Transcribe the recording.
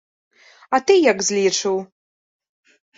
А ты як злічыў?